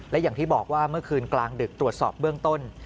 และอย่างที่บอกว่าเมื่อคืนกลางดึกตรวจสอบเบื้องต้น